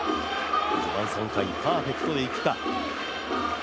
序盤３回、パーフェクトでいくか。